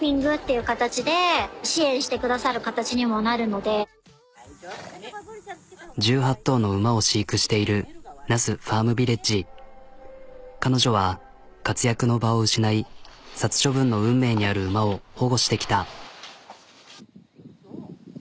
だから１８頭の馬を飼育している彼女は活躍の場を失い殺処分の運命にある馬を保護してきた。